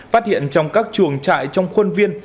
phát hiện trong các chuồng trại trong khuôn viên